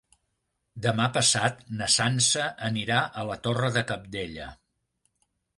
Demà passat na Sança anirà a la Torre de Cabdella.